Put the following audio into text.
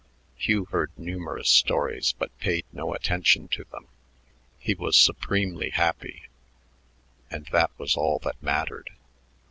Hugh heard numerous stories but paid no attention to them. He was supremely happy, and that was all that mattered.